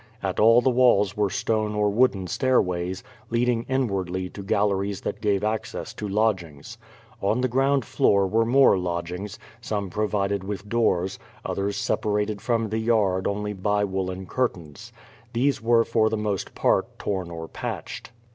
At all the walls were stone or wooden stairways, leading in wardly to galleries that gave aecess to lodgings. On the ground fioor were more lodgings, stune jirovided with doors, others sejjarated from the yard only hy woolen curtains. These were for the most part torn or patched.